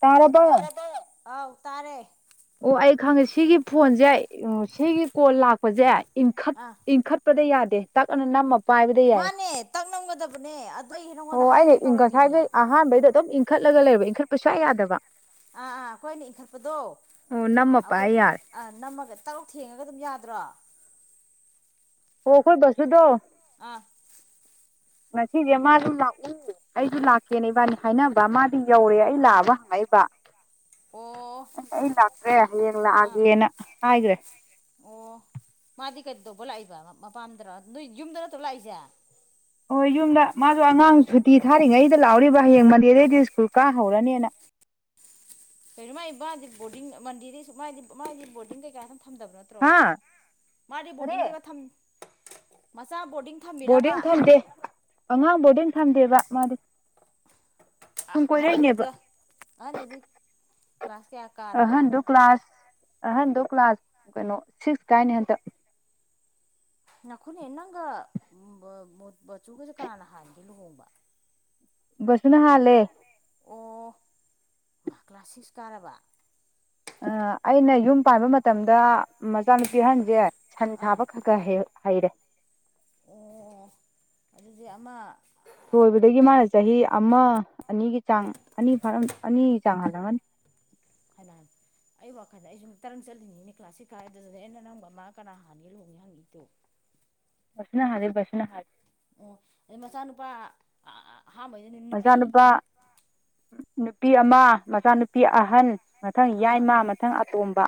ꯇꯥꯔꯕꯣ ꯇꯥꯔꯦꯗ ꯑꯥꯎ ꯇꯥꯔꯦ ꯑꯣ ꯑꯩ ꯈꯪꯉꯦ ꯁꯤꯒꯤ ꯐꯣꯟꯁꯦ ꯁꯤꯒꯤ ꯀꯣꯟ ꯂꯥꯛꯄꯁꯦ ꯑꯥ ꯏꯟꯈꯠꯄꯗ ꯌꯥꯗꯦ ꯇꯛꯅ ꯅꯝꯃ ꯄꯥꯏꯕꯗ ꯌꯥꯏ ꯃꯥꯅꯦ ꯇꯛ ꯅꯝꯒꯗꯕꯅꯦ ꯑꯣ ꯑꯩꯅꯦ ꯉꯁꯥꯏꯒꯤ ꯑꯍꯥꯟꯕꯩꯗ ꯑꯗꯨꯝ ꯏꯟꯈꯠꯂꯒ ꯂꯩꯔꯕ ꯏꯟꯈꯠꯄ ꯁꯨꯡꯌꯥ ꯌꯥꯗꯕ ꯑꯥ ꯑꯥ ꯑꯩꯈꯣꯏ ꯑꯅ ꯏꯟꯈꯠꯄꯗꯣ ꯑꯣ ꯅꯝꯃ ꯑꯩꯈꯣꯏ ꯄꯥꯏ ꯌꯥꯔꯦ ꯑ ꯅꯝꯃꯒ ꯇꯔꯨꯛ ꯊꯦꯡꯉꯒ ꯑꯗꯨꯝ ꯌꯥꯗ꯭ꯔꯣ ꯑꯣ ꯀꯣꯏ ꯁꯨꯗꯣ ꯋꯥ [unintelligible] [inaudible] ꯉꯁꯤꯁꯦ ꯃꯥꯁꯨ ꯂꯥꯛꯎ ꯑꯩꯁꯨ ꯂꯥꯛꯀꯦꯅꯦ ꯏꯕꯥꯅꯤ ꯍꯥꯏꯅꯕ ꯃꯥꯗꯤ ꯌꯧꯔꯦ ꯑꯩ ꯂꯥꯛꯑꯕ ꯍꯪꯉ ꯄꯥ ꯑꯣ ꯑꯩ ꯂꯥꯛꯇ꯭ꯔꯦ ꯍꯌꯦꯡ ꯑꯥ ꯂꯥꯛꯑꯒꯦꯅ ꯍꯥꯏꯈ꯭ꯔꯦ ꯑꯣ ꯃꯥꯗꯤ ꯀꯩ ꯇꯧꯕ ꯂꯥꯛꯏꯕ ꯃꯄꯥꯝꯗꯔ ꯅꯣꯏ ꯌꯨꯝꯗ ꯅꯠꯇ꯭ꯔꯣ ꯂꯥꯛꯏꯁꯦ ꯍꯣꯏ ꯌꯨꯝꯗ ꯃꯥꯁꯨ ꯑꯉꯥꯡ ꯁꯨꯇꯤ ꯊꯥꯔꯤꯉꯩꯗ ꯂꯥꯛꯍꯧꯔꯤꯕ ꯍꯌꯦꯡ ꯃꯟꯗꯦꯗꯩꯗꯤ ꯁ꯭ꯀꯨꯜ ꯀꯥ ꯍꯧꯔꯅꯤꯅ ꯀꯩꯩꯅꯣ ꯃꯥꯥꯏ ꯏ ꯃꯥꯗꯤ ꯕꯣꯔꯗꯤꯡ ꯃꯟꯗꯤꯗꯗꯤ ꯃꯥꯗꯤ ꯕꯣꯔꯗꯤꯡ ꯀꯩꯀꯥ ꯊꯝꯗꯕ ꯅꯠꯇ꯭ꯔꯣ ꯍꯥ ꯃꯥꯗꯤ ꯀꯔꯤ ꯕꯣꯔꯗꯤꯡꯗꯒ ꯕꯣꯔꯗꯤꯡ ꯊꯝꯃꯤꯔꯕ ꯕꯣꯔꯗꯤꯡ ꯊꯝꯗꯦ ꯑꯉꯥꯡ ꯕꯣꯔꯗꯤꯡ ꯊꯝꯗꯦꯕ ꯃꯥꯗꯤ ꯁꯨꯝ ꯑꯍꯟꯗꯨꯗꯤ ꯀꯣꯏꯔꯛꯏꯅꯦꯕ ꯀ꯭ꯂꯥꯁ ꯑꯍꯟꯗꯨꯗꯤ ꯀ꯭ꯂꯥꯁ ꯀꯌꯥ ꯀꯥꯔꯕ ꯑꯍꯟꯗꯣ ꯀ꯭ꯂꯥꯁ ꯑꯍꯟꯗꯣ ꯀ꯭ꯂꯥꯁ ꯀꯩꯅꯣ ꯁꯤꯛꯁ ꯀꯥꯏꯅꯤ ꯍꯟꯇꯛ ꯉꯥꯏꯈꯣꯅꯦ ꯅꯪꯒ ꯃꯟꯖꯨꯒꯁꯦ ꯀꯅꯥꯅ ꯍꯥꯟꯒꯦ ꯂꯨꯍꯣꯡꯕ ꯕꯁꯟꯅ ꯍꯥꯂꯦ ꯑꯣ ꯃꯥ ꯀ꯭ꯂꯥꯁ ꯁꯤꯛꯁ ꯀꯥꯔꯕ ꯑ ꯑꯩꯅ ꯌꯨꯝ ꯄꯥꯟꯕ ꯃꯇꯝꯗ ꯃꯆꯥꯅꯨꯄꯤ ꯑꯍꯟꯁꯦ ꯁꯟ ꯑꯥ ꯁꯥꯕ ꯈ ꯈ ꯍꯩꯔꯦ ꯑꯣ ꯑꯗꯨꯗꯤ ꯑꯃ ꯊꯣꯏꯕꯗꯒꯤ ꯃꯥꯅ ꯆꯍꯤ ꯑꯃ ꯑꯅꯤꯒꯤ ꯆꯥꯡ ꯑꯅꯤ ꯐꯥ ꯑꯅꯤꯒꯤ ꯆꯥꯡ ꯍ ꯥꯟ [unintelligible] [inaudible] [unintelligible] [inaudible] ꯑꯩ ꯋꯥꯈꯜꯗ ꯑꯩ ꯁꯨꯝ ꯇꯔꯪ ꯆꯠꯂꯤꯅꯤꯅꯦ ꯀ꯭ꯂꯥꯁ ꯁꯤꯛꯁ ꯀꯥꯏꯔ ꯑꯗꯨꯗ ꯑꯩꯅ ꯅꯪꯒ ꯃꯥ ꯀꯅꯥ ꯍꯥꯟꯒꯦ ꯂꯨꯍꯣꯡꯉꯦ ꯍꯪꯉꯤꯗꯣ [unintelligible] [inaudible] [unintelligible] ꯑ ꯃꯆꯥꯅꯨꯄꯥ ꯑꯍꯥꯟꯕꯩꯗ ꯅꯨꯄꯤ ꯃꯆꯥꯅꯨꯄꯥ ꯅꯨꯄꯤ ꯑꯃ ꯃꯆꯥꯅꯨꯄꯤ ꯑꯍꯟ ꯃꯊꯪ ꯑꯥ ꯌꯥꯏꯃ ꯃꯊꯪ ꯑꯇꯣꯝꯕ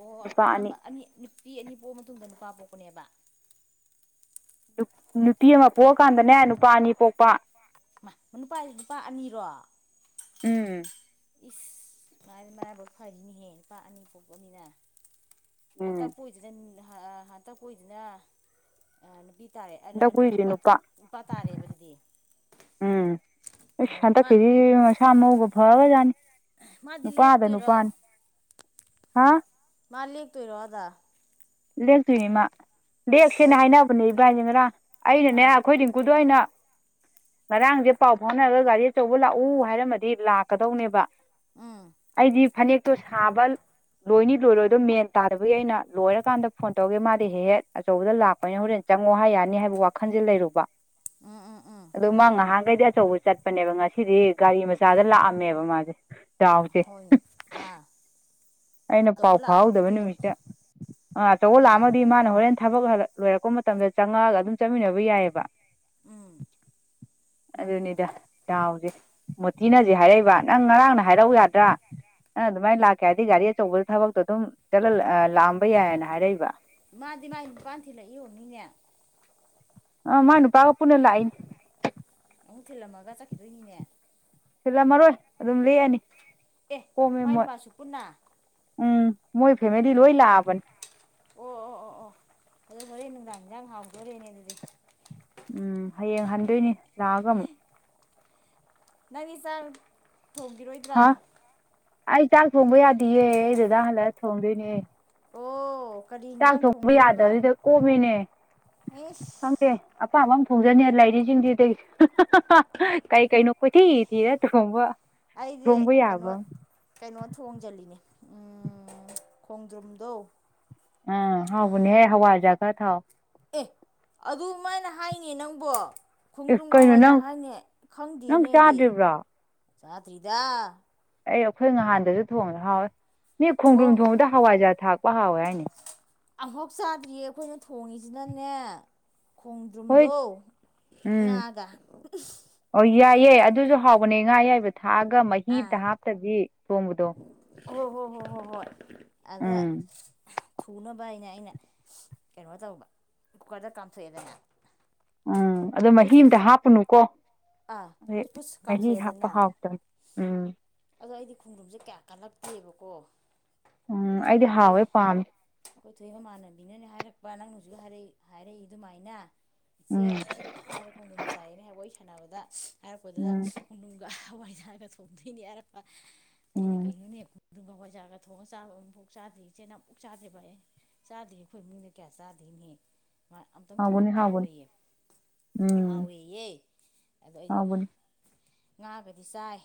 ꯑꯣ ꯑꯍꯥꯟꯕ ꯑꯅꯤ ꯅꯨꯄꯤ ꯑꯅꯤ ꯄꯣꯛꯑ ꯃꯇꯨꯡꯗ ꯅꯨꯄꯥ ꯄꯣꯛꯄꯅꯦꯕ ꯅꯨꯄꯤ ꯑꯃ ꯄꯣꯛꯑꯀꯥꯟꯗꯅꯦ ꯅꯨꯄꯥ ꯑꯅꯤ ꯄꯣꯛꯄ ꯃꯥ ꯅꯨꯄꯥ ꯅꯨꯄꯥ ꯑꯅꯤꯔꯣ ꯎꯝ ꯏꯁ ꯃꯥ ꯃꯔꯥꯏꯕꯛ ꯐꯔꯤꯅꯤꯍꯦ ꯅꯨꯄꯥ ꯑꯅꯤ ꯄꯣꯛꯄꯅꯤꯅ ꯍꯥ ꯎꯝ ꯇꯣꯏꯖꯅꯦ ꯇ ꯄꯨꯖꯅ ꯑꯅ ꯇꯥꯔꯦ ꯍꯟꯗꯛ ꯄꯨꯔꯤꯁꯦ ꯅꯨꯄꯥ ꯅꯨꯄꯥ ꯇꯥꯔꯦꯕ ꯑꯗꯨꯗꯤ ꯎꯝ ꯑꯁꯥ ꯑꯣ ꯊꯙ ꯃꯥ ꯀꯗꯤ ꯁꯝꯒꯐꯥꯕꯖꯅꯤ ꯃꯥꯗꯤ ꯂꯦꯇꯣꯏꯔꯣ ꯍꯥ ꯃꯥ ꯂꯦꯇꯣꯏꯔꯣ ꯑꯗ ꯂꯦꯛꯇꯣꯏꯅꯦ ꯏꯃ ꯂꯦꯛꯁꯦꯅ ꯏꯁ ꯍꯥꯏꯅꯕꯅꯦ ꯏꯕ꯭ꯔꯥ ꯌꯦꯡꯔꯥ ꯑꯩꯅꯅꯦ ꯑꯥ ꯑꯩꯈꯣꯏ ꯗꯤꯡꯀꯨꯗ ꯑ ꯑꯣꯏꯅ ꯉꯔꯥꯡꯁꯦ ꯄꯥꯎ ꯐꯥꯎꯅꯔꯒ ꯒꯥꯔꯤ ꯑꯆꯧꯕ ꯂꯥꯛꯎ ꯍꯥꯏꯔꯝꯃꯗꯤ ꯂꯥꯛꯀꯗꯧꯅꯦꯕ ꯎꯝ ꯑꯩꯗꯤ ꯐꯅꯦꯛꯇꯣ ꯁꯥꯕ ꯂꯣꯏꯅꯤ ꯂꯣꯏꯔꯣꯏꯗꯣ ꯃꯦꯟ ꯇꯥꯗꯕꯒꯤ ꯑꯩꯅ ꯂꯣꯏꯔ ꯆ ꯀꯥꯟꯗ ꯐꯣꯟ ꯇꯧꯒꯦ ꯃꯥꯗꯤ ꯍꯦꯛ ꯍꯦꯛ ꯑꯆꯧꯕꯗ ꯂꯥꯛꯄꯅꯤꯅ ꯍꯣꯔꯦꯟ ꯆꯪꯉꯣ ꯍꯥꯏ ꯌꯥꯅꯤ ꯍꯥꯏꯕ ꯋꯥꯈꯜꯁꯦ ꯂꯩꯔꯨꯕ ꯎꯝ ꯎꯝ ꯎꯝ ꯑꯗꯨ ꯃꯥ ꯉꯍꯥꯟꯈꯩꯗꯤ ꯑꯆꯧꯕ ꯆꯠꯄꯅꯦꯕ ꯉꯁꯤꯗꯤ ꯒꯥꯔꯤ ꯃꯆꯥꯗ ꯂꯥꯛꯑꯝꯃꯦꯕ ꯃꯥꯁꯦ ꯗꯥꯎꯁꯦ ꯍꯣꯏ ꯑ ꯑꯩꯅ ꯄꯥꯎ ꯐꯥꯎꯍꯧꯗꯕ ꯅꯨꯃꯤꯠꯇꯗ ꯑ ꯑꯆꯧꯕ ꯂꯥꯛꯑꯝꯃꯗꯤ ꯌꯥꯕ ꯃꯥꯅ ꯍꯣꯔꯦꯟ ꯊꯕꯛ ꯍꯜꯂꯛ ꯂꯣꯏꯔꯛꯄ ꯃꯇꯝꯗ ꯆꯪꯉꯛꯑꯒ ꯑꯗꯨꯝ ꯆꯠꯃꯤꯟꯅꯕ ꯌꯥꯏꯑꯕ ꯎꯝ ꯃꯥꯅꯤꯅꯦ ꯑꯗꯨꯗꯅꯤꯗ ꯌꯥꯎꯦ ꯊꯤꯅꯖꯤ ꯍꯥꯏꯔꯛꯏꯕ ꯅꯪ ꯉꯔꯥꯡꯅ ꯍꯥꯏꯔꯛꯎ ꯌꯥꯗ꯭ꯔꯥ ꯅꯪ ꯑꯗꯨꯃꯥꯏꯅ ꯎꯝ ꯂꯥꯛꯀꯦ ꯍꯥꯏꯔꯗꯤ ꯒꯥꯔꯤ ꯊꯕ ꯑꯗꯨꯝ ꯆꯂ ꯂ ꯃꯥꯗꯤ ꯃꯥꯒꯤ ꯅꯨꯄꯥꯥꯟ ꯊꯤꯜꯂꯛꯏꯌꯣꯟꯅꯤꯅꯦ ꯑ ꯃ ꯅꯨꯄꯥꯒ ꯄꯨꯅ ꯂꯥꯏꯅꯤ ꯑꯃꯨꯛ ꯊꯤꯜꯂꯝꯃꯒ ꯆꯠꯈꯤꯗꯣꯏꯅꯤꯅꯦ ꯁꯤꯜꯂꯝꯃꯔꯣꯏ ꯑꯗꯨꯝ ꯂꯦꯛꯑꯅꯤ ꯑꯦ ꯀꯣꯝꯃꯦ ꯃꯣꯏ ꯃꯥꯏꯟꯄꯥꯥꯁꯨ ꯄꯨꯟꯅ ꯎꯝ ꯃꯣꯏ ꯐꯦꯃꯤꯂꯤ ꯑꯣ ꯂꯣꯏ ꯂꯥꯛꯑꯕꯅꯤ ꯑꯣ ꯑꯣ ꯑꯣ ꯑꯣ ꯑꯗꯨ ꯍꯣꯔꯦꯟ ꯅꯨꯡꯗꯥꯡ ꯍꯟꯖꯥꯡ ꯍꯥꯎꯗꯣꯣꯔꯅꯦ ꯑꯗꯨꯗꯤ ꯎꯝ ꯍꯌꯦꯡ ꯍꯟꯗꯣꯏꯅꯤ ꯂꯥꯛꯑꯒ ꯑꯃꯨꯛ ꯅꯪꯗꯤ ꯆꯥꯛ ꯊꯣꯡꯕꯤꯔꯣꯏꯗ꯭ꯔꯥ ꯍꯥ ꯑꯩ ꯆꯥꯛ ꯊꯣꯡꯕ ꯌꯥꯗꯦꯌꯦ ꯑꯩꯗꯨꯗ ꯍꯜꯂꯛꯑ ꯊꯣꯡꯗꯣꯏꯅꯦ ꯑꯣ ꯀꯔꯤ ꯆꯥꯛ ꯌꯦꯟꯖꯥꯡ ꯊꯣꯛꯄ ꯊꯣꯡꯗꯣꯔꯤꯕ ꯌꯥꯗꯕꯁꯤꯗ ꯀꯣꯝꯃꯤꯅꯦ ꯏꯁ ꯈꯪꯗꯦ ꯑꯄꯥꯝꯕ ꯑꯃꯝ ꯊꯣꯡꯖꯅꯤ ꯂꯩꯥꯏꯔꯤꯁꯤꯡꯁꯤꯗꯒꯤ ꯀꯩ ꯀꯩꯅꯣ ꯀꯣꯏꯊꯤ ꯊꯤꯔ ꯊꯣꯡꯕ ꯑꯩꯁꯦ ꯊꯣꯡꯕ ꯀꯩꯅꯣ ꯌꯥꯕ ꯀꯩꯅꯣ ꯊꯣꯡꯖꯤꯜꯂꯤꯅꯦ ꯎꯝ ꯈꯣꯡꯗ꯭ꯔꯨꯝꯗꯣ ꯑ ꯍꯥꯎꯕꯨꯅꯦ ꯍ ꯍꯋꯥꯖꯒ ꯊꯥꯎ ꯑꯦ ꯑꯗꯨꯃꯥꯏꯅ ꯍꯥꯏꯅꯦ ꯅꯪꯕꯣ ꯑꯦ ꯀꯩꯅꯣ ꯈꯣꯡꯗ꯭ꯔꯨꯝꯒꯋꯥꯏꯗ ꯅꯪ ꯍꯥꯏꯅꯦ ꯅꯪ ꯈꯪꯗꯦꯅꯦ ꯑꯩꯗꯤ ꯆꯥꯗ꯭ꯔꯤꯕ꯭ꯔꯣ ꯆꯥꯗ꯭ꯔꯤꯗ ꯑꯩ ꯑꯩꯈꯣꯏ ꯅꯍꯥꯟꯗꯁꯨ ꯊꯣꯡꯕꯗ ꯍꯥꯎꯋꯦ ꯅ ꯑꯣ ꯈꯣꯡꯗ꯭ꯔꯨꯝ ꯊꯣꯡꯕꯗ ꯍꯋꯥꯏꯖꯥꯔ ꯊꯥꯛꯄ ꯍꯥꯎꯋꯦ ꯍꯥꯏꯅꯦ ꯑꯃꯝꯐꯥꯎ ꯆꯥꯗ꯭ꯔꯤꯌꯦ ꯑꯩꯈꯣꯏꯅ ꯊꯣꯡꯉꯤꯁꯤꯅꯅꯦ ꯍꯣꯏ ꯈꯣꯡꯗ꯭ꯔꯨꯝꯗꯣ ꯉꯥꯒ ꯌꯥꯏꯌꯦꯦ ꯑꯗꯨꯁꯨ ꯍꯥꯎꯕꯅꯦ ꯉꯥ ꯑꯌꯥꯏꯕ ꯊꯥꯛꯑꯒ ꯃꯍꯤꯗ ꯍꯥꯞꯇꯕꯤ ꯊꯣꯡꯕꯗꯣ ꯍꯣ ꯍꯣ ꯍꯣ ꯍꯣ ꯍꯣꯏ ꯑꯗ ꯎꯝ ꯊꯨꯅꯕ ꯍꯥꯏꯅꯦ ꯑꯩꯅ ꯀꯩꯅꯣ ꯇꯧꯕ ꯀꯨꯀꯔꯗ ꯀꯥꯝꯊꯣꯛꯑꯦꯗꯅ ꯎꯝ ꯑꯗꯣ ꯃꯍꯤ ꯐꯨꯁ ꯑ ꯑꯃꯇ ꯐꯨꯁ ꯍꯥꯞꯄꯅꯨꯀꯣ ꯑꯥ ꯑꯗꯦ ꯐꯨꯁ ꯐꯨꯁ ꯃꯜꯂꯤ ꯍꯥꯄ ꯀꯥꯝꯊꯣꯛꯑꯦꯗꯅ ꯍꯥꯥꯎꯇ ꯎꯝ ꯑꯗꯣ ꯑꯩꯗꯤ ꯈꯣꯡꯗ꯭ꯔꯨꯝꯁꯦ ꯀꯌꯥ ꯀꯜꯂꯛꯇꯦꯕꯀꯣ ꯎꯝ ꯑꯗ ꯑꯩꯗꯤ ꯑꯩꯈꯣꯏ ꯍꯥꯎꯋꯦ ꯄꯥꯝꯃꯦ ꯑꯩꯈꯣꯏꯊꯣꯏꯏꯕꯃꯥꯟꯅꯕꯤꯅꯅꯦ ꯍꯥꯏꯔꯛꯄ ꯕꯕꯥ ꯅꯪꯅ ꯍꯧꯖꯤꯛ ꯍꯥꯏꯔꯛ ꯍꯥꯏꯔꯛꯏ ꯑꯗꯨꯃꯥꯏꯅ ꯏꯆꯦ ꯎꯝ ꯃꯥꯗ ꯈꯣꯡꯗꯝ ꯆꯥꯏꯔꯦ ꯍꯥꯏꯕ ꯑꯩ ꯁꯅꯕꯗ ꯍꯥꯏꯔꯛꯄꯗ ꯎꯝ ꯎꯅꯨꯡꯒ ꯍꯋꯥꯏꯖꯒ ꯆꯣꯡꯗꯣꯏꯅꯤ ꯍꯥꯏꯔꯛꯄ ꯏꯅꯦ ꯎꯝ ꯀꯌꯨꯅꯤ ꯑꯗꯨꯒ ꯍꯋꯥꯏꯖꯥꯔꯒ ꯊꯣꯡꯉꯒ ꯆꯥꯔꯒ ꯑꯗꯨ ꯄꯨꯛ ꯆꯥꯗ꯭ ꯏꯆꯦ ꯌꯥꯝ ꯄꯨꯛ ꯆꯥꯗꯦꯕ ꯑꯩ ꯆꯥꯗꯦ ꯑꯩꯈꯣꯏ ꯃꯤꯅ ꯀꯌꯥ ꯆꯥꯗꯦꯅꯦꯍꯦ ꯑꯝꯇꯪ ꯊꯣꯡꯉ ꯍꯥꯎꯕꯅꯤ ꯍꯥꯎꯕꯅꯤ ꯆꯥꯎꯏꯌꯦ ꯎꯝ ꯍꯥꯎꯏꯦꯌꯦ ꯑꯗꯣ ꯑꯩꯁꯨ ꯍꯥꯎꯕꯅꯤ ꯉꯥꯒꯗꯤ ꯆꯥꯏ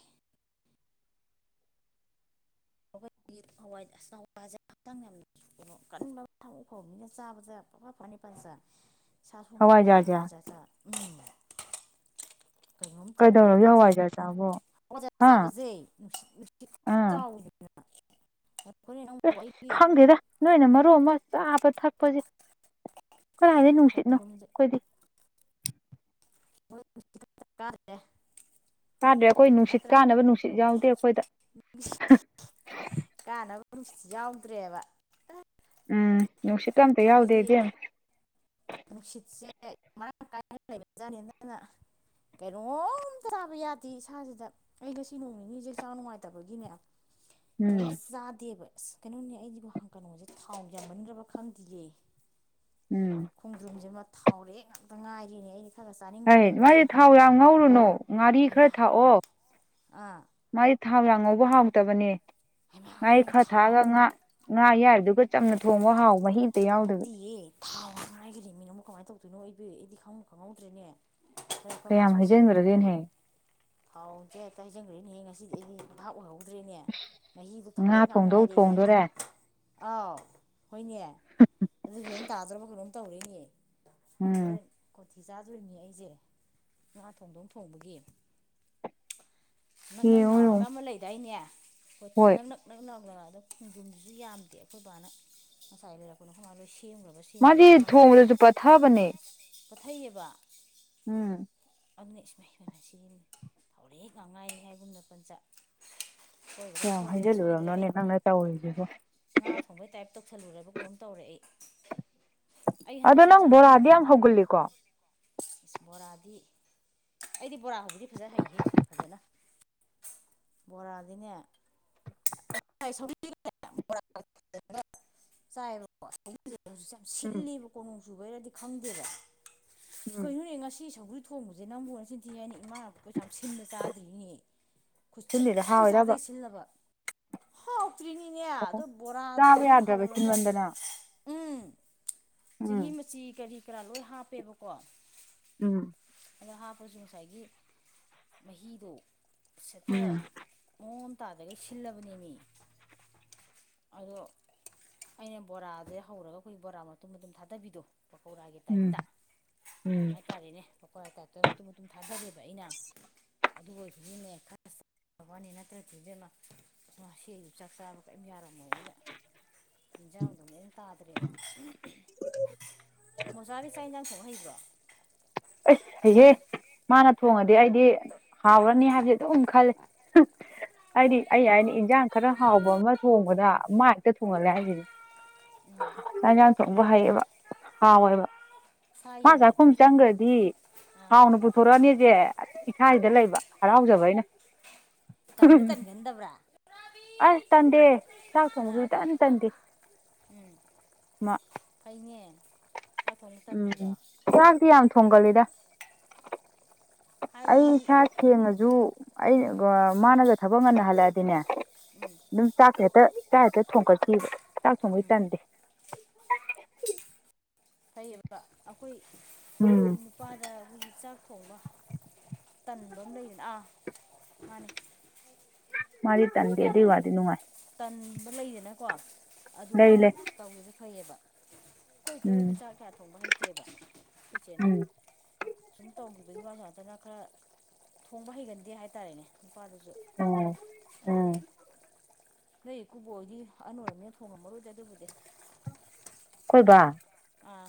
ꯋꯥꯋꯥꯖ ꯍꯛꯆꯥꯡ ꯌꯥꯝ ꯀꯟꯕ ꯊꯃꯛ ꯐꯕꯅꯤꯅ ꯆꯥꯕꯁꯦ ꯐ ꯐꯅꯤ ꯐꯁꯦ ꯁꯥ ꯁꯣ ꯑꯩꯈꯣꯏꯗꯤ ꯍꯋꯥꯏꯖꯥꯔꯁꯦ ꯍꯋꯥꯏꯖꯥꯠꯠ ꯀꯩꯗꯧꯅ ꯌ ꯑꯋꯥꯖꯇꯥ ꯑꯣꯖꯥ ꯆꯥꯕꯁꯦꯅꯨꯡ ꯆꯥꯎ ꯑꯁ ꯑꯩꯒꯤ ꯈꯪꯗꯦꯔ ꯅꯣꯏꯅ ꯃꯔꯨ ꯑꯃ ꯆꯥꯕ ꯊꯛꯄꯁꯦ ꯀꯔꯥꯏꯗꯤ ꯅꯨꯡꯁꯤꯠꯅꯣ ꯈꯣꯡꯗꯣꯝꯁꯦ ꯀꯣꯏꯗꯤ ꯆꯔꯀꯥꯗꯦ ꯀꯥꯗ꯭ꯔꯦ ꯑꯩꯈꯣꯏ ꯅꯨꯡꯁꯤꯠ ꯀꯥꯅꯕ ꯅꯨꯡꯁꯤꯠ ꯌꯥꯎꯗꯦ ꯑꯩꯈꯣꯏꯗ ꯀꯥꯅꯕ ꯅꯨꯡ ꯌꯥꯎꯗ꯭ꯔꯦꯕ ꯎꯝ ꯅꯨꯡꯁꯤꯠꯇ ꯑꯝꯇ ꯌꯥꯎꯗꯦ ꯑꯩꯈꯣꯏꯒꯤ ꯏꯗꯤꯦꯝ ꯅꯨꯡꯁꯤꯠꯁꯦ ꯃꯔꯥꯡꯥꯏꯅ ꯂꯩꯕꯖꯥꯠꯅꯤꯅ ꯀꯩꯅꯣꯝꯇ ꯇꯥꯕ ꯌꯥꯗꯦ ꯏꯁꯥꯁꯤꯗ ꯑꯩ ꯉꯁꯤ ꯅꯣꯡ ꯅꯤꯅꯤꯁꯦ ꯆ ꯅꯨꯡꯉꯥꯏꯇꯕꯒꯤꯅꯦ ꯇ ꯎꯝ ꯆꯥꯗꯦꯕ ꯑꯁ ꯀꯩꯅꯣꯅꯦ ꯑꯩꯗꯤꯕꯨ ꯍꯥꯡ ꯀꯣꯁꯦ ꯊꯥꯎ ꯌꯥꯝꯃꯟꯈ꯭ꯔꯕ ꯈꯪꯗ꯭ꯌꯦ ꯎꯝ ꯈꯣꯡꯗ꯭ꯔꯨꯝꯁꯤꯃ ꯊꯥꯎꯔꯦꯑꯦ ꯉꯥꯛꯇ ꯉꯥꯏꯔꯤꯅꯦ ꯑꯩ ꯍ ꯃꯥꯗꯤ ꯊꯥꯎ ꯌꯥꯝ ꯉꯧꯔꯨꯅꯨ ꯉꯥꯔꯤ ꯍꯩꯃꯥ ꯈꯔ ꯊꯥꯛꯑꯣ ꯑꯥ ꯃꯥꯥꯏ ꯊꯥꯎ ꯂꯥꯡ ꯉꯧꯕ ꯍꯥꯎꯇꯕꯅꯦ ꯍꯩꯃꯥ ꯉꯥꯔꯤ ꯑꯗꯨꯅ ꯈꯔ ꯊꯥꯎ ꯊꯥꯛꯑꯒ ꯉꯥ ꯉꯥ ꯌꯥꯏꯔꯤꯗꯨꯒ ꯆꯝꯅ ꯊꯣꯡꯕ ꯍꯥꯎ ꯃꯍꯤ ꯌꯥꯎꯗꯕꯤ ꯅꯠꯇꯤꯌꯦ ꯊꯥꯎ ꯉꯥꯏꯈꯅꯤ ꯃꯤꯅ ꯑꯃꯨꯛ ꯀꯃꯥꯏꯅ ꯇꯧꯗꯣꯏꯅꯣ ꯑꯩꯕ ꯑꯩꯗꯤ ꯈꯪꯉꯨ ꯈꯪꯍꯧꯗ꯭ꯔꯦꯅꯦ ꯍꯥꯏꯔꯛꯄ ꯀꯌꯥꯝ ꯃꯥꯁ ꯑꯣꯏꯖꯔꯛꯇ ꯂꯣꯏꯔꯦ ꯍꯩꯖꯤꯟꯒ꯭ꯔꯒꯦꯅꯦꯍꯦ ꯊꯥꯎꯁꯦ ꯍꯦꯛꯇ ꯍꯥꯏꯖꯟꯈ꯭ꯔꯦꯅꯦꯍꯦ ꯉꯁꯤꯗꯤ ꯑꯩꯗꯤ ꯉꯍꯥꯛ ꯑꯣꯏꯍꯧ ꯐꯗ꯭ꯔꯦꯅꯦ ꯃꯍꯤꯕꯨ ꯉꯥ ꯊꯥꯎꯔꯦꯛ ꯉꯥꯛ ꯊꯣꯡꯗꯧ ꯉꯥꯏꯔꯦꯅꯦ ꯊꯣꯡꯗꯣꯔꯦ ꯑꯥꯎ ꯍꯣꯏꯅꯦ ꯑꯗꯨ ꯐꯤꯕꯝ ꯇꯥꯗ꯭ꯔꯕ ꯀꯩꯅꯣꯝ ꯇꯧꯔꯤꯅꯦ ꯎꯝ ꯊꯤ ꯆꯥꯗꯣꯏꯅꯤ ꯑꯩꯁꯦ ꯉꯥ ꯊꯣꯡꯗꯧ ꯊꯣꯡꯕꯒꯤ ꯅꯪ ꯌꯦꯡꯉꯣ ꯅꯪ ꯥꯎꯔꯒ ꯌꯦꯡꯉꯣ ꯑꯃ ꯂꯩꯗꯥꯏꯅꯦ ꯣꯏ ꯍꯣꯏ ꯅꯪꯅꯛ ꯅꯪꯅꯛꯂ ꯑꯗ ꯈꯣꯡꯖꯣꯝꯁꯤꯁꯨ ꯌꯥꯝꯗꯦ ꯑꯩꯈꯣꯏ ꯕꯥꯅ ꯉꯁꯥꯏ ꯂꯩꯔꯛꯄꯅꯣ ꯈꯨꯣꯏꯂ ꯂꯣꯏꯁꯤ ꯃꯥꯗꯤ ꯊꯣꯡꯕꯗꯁꯨ ꯄꯠꯊꯥꯕꯅꯦ ꯄꯣꯊꯩꯑꯕ ꯎꯝ ꯑꯗꯨꯅ ꯏꯁꯃꯥꯏꯅ ꯁꯤꯅꯤ ꯊꯔꯦꯛ ꯉꯉꯥꯏ ꯍꯥꯏꯒꯨꯝꯅ ꯄꯣꯟꯆꯥ ꯌꯥꯝ ꯍꯥꯏꯖꯜꯂꯨꯨꯔꯔꯕ ꯅꯅꯦ ꯅꯪꯅ ꯇꯧꯔꯤꯁꯦ ꯉꯥ ꯊꯣꯡꯕꯩ ꯇꯥꯏꯞ ꯇꯧꯁꯜꯂꯨꯔꯕ ꯀꯩꯅꯣꯝ ꯇꯧꯔꯦ ꯑꯩ ꯑꯩ ꯑꯗꯣ ꯍꯟꯗꯛꯁꯦ ꯅꯪ ꯍꯛꯆꯥꯡ ꯌꯥꯝ ꯕꯣꯔꯥꯗꯤ ꯅꯨꯡꯉꯥꯏꯇꯦ ꯍꯧꯒꯜꯂꯤꯀꯣ ꯏꯁ ꯕꯣꯔꯥꯗꯤ ꯑꯩꯗꯤ ꯕꯣꯔꯥ ꯍꯧꯕꯗꯤ ꯐꯖ ꯍꯩꯍꯦ ꯐꯕꯅ ꯕꯣꯔꯗꯤꯅꯦ ꯁꯣꯔ ꯆꯦꯕ ꯍꯧꯖꯤꯛ ꯌꯥꯝ ꯎꯝ ꯁꯤꯜꯂꯤꯦꯕ ꯀꯣꯅꯨꯡ ꯆꯨꯈꯩꯔꯗꯤ ꯈꯪꯗꯦꯕ ꯎꯝ ꯀꯩꯅꯣꯅꯦ ꯉꯁꯤ ꯁꯧꯒ꯭ꯔꯤ ꯊꯣꯡꯕꯁꯦ ꯅꯪꯕꯨꯅ ꯆꯤꯟꯊꯤ ꯍꯥꯏꯅꯤ ꯏꯃꯥꯅ ꯄꯩꯁꯥ ꯁꯤ ꯆꯥꯗ꯭ꯔꯤꯅꯦ ꯈꯨꯠꯁꯤ ꯁꯤꯜꯂꯤꯔ ꯑꯃ ꯍꯥꯎꯋꯤꯔꯕ ꯆꯥꯗꯩ ꯁꯤꯜꯂꯕ ꯐꯇ꯭ꯔꯤꯅꯤꯅꯦ ꯑꯗꯣ ꯑꯣ ꯕꯣꯔꯥꯗꯣ ꯆꯥꯕ ꯑꯩꯅ ꯌꯥꯗ꯭ꯔꯕ ꯍꯧꯔꯒ ꯁꯤꯟꯃꯟꯗꯅ ꯎꯝ ꯆꯦꯡꯍꯤ ꯎꯝ ꯃꯆꯤ ꯀꯔꯤ ꯀꯔꯥ ꯂꯣꯏ ꯍꯥꯞꯄꯦꯕꯀꯣ ꯎꯝ ꯑꯗ ꯍꯥꯞꯄꯁꯨ ꯉꯁꯥꯏꯒꯤ ꯃꯍꯤꯗꯣ ꯁꯦꯠꯇ ꯎꯝ ꯃꯑꯣꯡ ꯍꯞꯇꯥꯗꯗꯒꯤꯩ ꯁꯤꯜꯂꯕꯅꯤꯅꯤ ꯑꯗꯣ ꯑꯩꯅ ꯕꯣꯔꯥꯥꯁ ꯍꯧꯔꯒ ꯑꯩꯈꯣꯏ ꯕꯣꯔꯥ ꯃꯇꯨꯝ ꯃꯇ ꯑꯗꯨꯝ ꯊꯥꯗꯕꯤꯗꯣ ꯄꯀꯧꯔꯥꯒꯤ ꯎꯝ ꯇꯥꯏꯞꯇ ꯎꯝ ꯍꯥꯏꯇꯥꯔꯦꯅꯦ ꯍꯀꯣꯏ ꯑ ꯀꯥꯏꯇ ꯃꯇꯨꯝ ꯃꯇꯨꯝ ꯊꯥꯗꯗꯦꯕ ꯑꯩꯅ ꯑꯗꯨ ꯑꯣꯏꯁꯤꯗꯤꯅꯦ ꯈꯔ ꯋꯥꯅꯤ ꯅꯠꯇ꯭ꯔꯗꯤꯗꯅ ꯁꯤ ꯆꯥꯛ ꯆꯥꯕ ꯀꯔꯤꯝ ꯌꯥꯔ ꯃ ꯑꯩꯅ ꯌꯦꯟꯖꯥꯡꯗꯣ ꯂꯣꯏ ꯇꯥꯗ꯭ꯔꯦꯕ ꯃꯣꯖꯥꯔꯤ ꯆ ꯏꯟꯖꯥꯡ ꯊꯨꯝ ꯍꯩꯕ꯭ꯔꯣ ꯑꯁꯍꯦ ꯃꯥꯅ ꯊꯣꯡꯉꯗꯤ ꯑꯩꯗꯤ ꯍꯥꯎꯔꯅꯤ ꯍꯥꯏꯕꯁꯦ ꯑꯗꯨꯝ ꯈꯜꯂꯦ ꯑꯔꯤ ꯑꯅꯤ ꯏꯟꯁꯥꯡ ꯈꯔ ꯎꯝ ꯍꯥꯎꯕ ꯑꯃ ꯊꯣꯡꯕꯗ ꯃꯥꯏꯛꯇ ꯊꯣꯡꯍꯜꯂꯦ ꯎꯝ ꯍꯥꯏꯁꯤꯗꯤꯥꯡ ꯆꯧꯕ ꯍꯩꯌꯦꯕ ꯍꯥꯎꯣꯏꯕ ꯁꯥꯥ ꯌꯦꯟꯗ ꯑꯗꯨꯝ ꯊꯣꯡꯉꯦ ꯑꯥ ꯍꯥꯎꯅ ꯄꯨꯊꯣꯔꯛꯑꯅꯤꯁꯦ ꯏꯁꯥꯁꯤꯗ ꯂꯩꯕ ꯍꯔꯥꯎꯖꯕ ꯑꯩꯅ ꯀꯗꯤ ꯀꯟꯒꯗꯕ꯭ꯔꯥ ꯑꯁ ꯇꯟꯗꯦ ꯆꯥꯛ ꯊꯣꯡꯕꯁꯨ ꯑꯥ ꯇꯟ ꯇꯟꯗꯦ ꯎꯝ ꯃ ꯐꯩꯅꯦ ꯆꯥꯛ ꯊꯣꯡꯕ ꯎꯝ ꯇꯟꯗ꯭ꯔꯤꯗꯣ ꯉꯥꯛꯇꯤ ꯌꯥꯝ ꯆꯥꯛ ꯊꯣꯡꯒꯜꯂꯤꯗ ꯍꯥꯏꯗꯤ ꯑꯩ ꯃꯤ ꯏꯁꯥ ꯁꯦꯡꯉꯁꯨ ꯎꯝ ꯑꯩꯩꯅ ꯃꯥꯅꯒ ꯊꯕꯛ ꯉꯟꯅ ꯍꯜꯂꯛꯑꯗꯤꯅꯦ ꯎꯝ ꯑꯗꯨꯝ ꯆꯥꯛ ꯍꯦꯛꯇ ꯆꯥꯛ ꯍꯦꯛꯇ ꯊꯣꯡꯒꯠꯈꯤꯕ ꯆꯥꯛ ꯊꯣꯡꯕꯩ ꯎꯝ ꯇꯟꯗꯦ ꯐꯩꯌꯦꯕ ꯑꯩꯈꯣꯏ ꯑꯩꯈꯣꯏ ꯎꯝ ꯅꯨꯄꯥꯗ ꯑꯩꯈꯣꯏꯒꯤ ꯆꯥꯛ ꯊꯣꯡꯕ ꯇꯟꯕ ꯑꯃ ꯂꯩꯗꯅ ꯑꯥ ꯃꯥꯅꯤ ꯃꯥꯗꯤ ꯇꯟꯗꯦ ꯟ ꯑꯗꯨꯏ ꯋꯥꯗꯤ ꯅꯨꯡꯉꯥꯏ ꯇꯟꯕ ꯂꯩꯗꯅꯀꯣ ꯑꯗꯨ ꯂꯩ ꯂꯩ ꯇꯧꯒꯦꯁ ꯍꯌꯦꯕ ꯇꯣꯏ ꯎꯝ ꯇꯣꯏꯗ ꯆꯥꯛ ꯀꯌꯥ ꯊꯣꯡꯕ ꯍꯩꯇꯦꯕ ꯏꯆꯦꯅ ꯎꯝ ꯁꯨꯝ ꯇꯧꯈꯤ ꯑꯗꯨꯩꯒꯤ ꯋꯥꯗꯨ ꯉꯥꯛꯇꯅ ꯈꯔ ꯊꯣꯡꯕ ꯍꯩꯒꯟꯗꯦ ꯍꯥꯏꯇꯥꯔꯦꯅꯦ ꯅꯨꯄꯥꯗꯨꯁꯨ ꯎꯝ ꯑ ꯅ ꯀꯨꯕꯣꯛꯒꯤ ꯑꯟ ꯑꯣꯏꯔꯝꯃꯤꯅ ꯊꯣꯡꯉꯝꯃꯔꯨꯗ ꯑꯗꯨꯕꯨꯗꯤ ꯀꯣꯏꯕ ꯑꯥ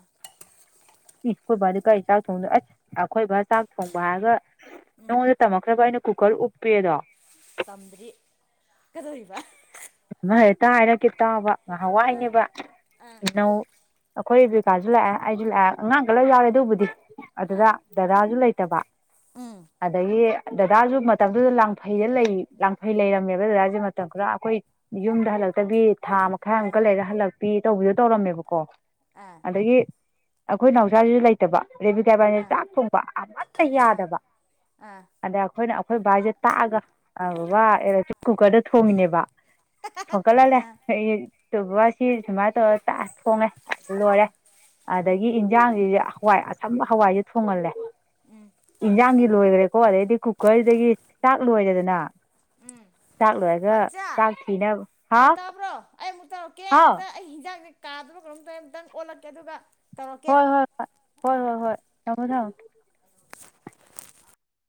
ꯏꯁꯀꯣꯏꯕꯗꯤ ꯀꯔꯤ ꯆꯥꯛ ꯊꯣꯡꯗꯦ ꯑꯁ ꯑꯈꯣꯏꯕ ꯆꯥꯛ ꯊꯣꯡꯕ ꯍꯥꯏꯔꯒ ꯎꯝ ꯅꯉꯣꯟꯗ ꯇꯝꯂꯈ꯭ꯔꯕ ꯑꯩꯅ ꯀꯨꯀꯔ ꯎꯞꯄꯦꯗꯣ ꯇꯝꯗ꯭ꯔꯤ ꯀꯗꯧꯔꯤꯕ ꯑꯃ ꯍꯦꯛꯇ ꯍꯥꯏꯔꯛꯀꯦ ꯇꯥꯕ ꯑꯥ ꯉꯍꯥꯟꯋꯥꯏꯅꯦꯕ ꯑꯥ ꯏꯅꯧ ꯑꯩꯈꯣꯏ ꯏꯕꯤꯀꯥꯁꯨ ꯂꯥꯛꯑꯦ ꯑꯩꯁꯨ ꯂꯥꯛꯑꯦ ꯑꯉꯥꯡꯒ ꯂꯣꯏ ꯌꯥꯎꯔꯦ ꯑꯗꯨꯕꯨꯗꯤ ꯑꯥ ꯑꯗꯨꯗ ꯗꯗꯥꯁꯨ ꯂꯩꯇꯕ ꯎꯝ ꯑꯗꯒꯤ ꯗꯗꯥꯁꯨ ꯃꯇꯝꯗꯨꯗ ꯂꯥꯡꯐꯩꯗ ꯂꯩ ꯂꯥꯡꯐꯩ ꯂꯩꯔꯝꯃꯦꯕ ꯗꯗꯥꯁꯦ ꯃꯇꯝ ꯈꯔ ꯑꯩꯈꯣꯏ ꯌꯨꯝꯗ ꯍꯜꯂꯛꯇꯕꯤ ꯊꯥ ꯃꯈꯥ ꯑꯥ ꯑꯃꯨꯛꯀ ꯂꯩꯔ ꯍꯜꯂꯛꯄꯤ ꯇꯧꯕꯤꯗꯣ ꯇꯧꯔꯝꯃꯦꯕꯀꯣ ꯑꯥ ꯑꯗꯒꯤ ꯑꯩꯈꯣꯏ ꯅꯥꯎꯁꯥꯁꯤꯁꯨ ꯂꯩꯇꯕ ꯔꯦꯕꯤ ꯀꯥꯏꯕꯥꯁ ꯑꯥ ꯆꯥꯛ ꯊꯣꯡꯕ ꯑꯃꯠꯇ ꯑꯥ ꯌꯥꯗꯕ ꯑꯥ ꯑꯗ ꯑꯩꯈꯣꯏꯅ ꯑꯩꯈꯣꯏ ꯚꯕꯥꯏꯁꯦ ꯇꯥꯛꯑꯒ ꯕꯕꯥ ꯑꯦꯂꯦꯛꯇ꯭ꯔꯤꯛ ꯀꯨꯀꯔꯗ ꯊꯣꯡꯉꯤꯅꯦꯕ ꯐꯀꯠꯍꯜꯂꯦ ꯑꯥ ꯁꯤ ꯁꯨꯃꯥꯏꯅ ꯇꯧꯔ ꯊꯣꯡꯉꯦ ꯂꯣꯏꯔꯦ ꯑꯥ ꯎꯝ ꯑꯗꯒꯤ ꯏꯟꯁꯥꯡꯁꯤꯁꯦ ꯍꯋꯥꯏ ꯑꯁꯝꯕ ꯍꯋꯥꯏꯁꯦ ꯊꯣꯡꯍꯜꯂꯦ ꯎꯝ ꯏꯟꯁꯥꯡꯗꯤ ꯂꯣꯏꯈ꯭ꯔꯦꯀꯣ ꯑꯗꯩꯗꯤ ꯀꯨꯀꯔꯁꯤꯗꯒꯤ ꯆꯥꯛ ꯂꯣꯏꯔꯦꯗꯅ ꯎꯝ ꯆꯥꯛ ꯂꯣꯏꯔꯒ ꯄꯆꯥ ꯆꯥꯛ ꯊꯤꯅꯕ ꯍꯥ ꯑꯣ ꯇꯥꯕ꯭ꯔꯣ ꯑꯩ ꯑꯃꯨꯛ ꯇꯧꯔꯛꯀꯦ ꯑꯃꯨꯛꯇ ꯑꯩ ꯍꯤꯟꯖꯥꯡꯁꯦ ꯀꯥꯗꯅ ꯀꯩꯅꯣꯝ ꯇꯧꯔꯦ ꯑꯃꯨꯛꯇꯪ ꯑꯣꯜꯂꯛꯀꯦ ꯑꯗꯨꯒ ꯇꯧꯔꯛꯀꯦ ꯍꯣꯏ ꯍꯣꯏ ꯍ ꯍꯣꯏ ꯑꯥ ꯑꯥ ꯍꯣꯏ ꯑꯥ ꯍꯣꯏ ꯊꯃꯣ ꯊꯝ